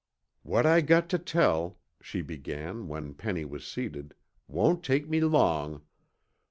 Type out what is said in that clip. "What I got tuh tell," she began when Penny was seated, "won't take me long.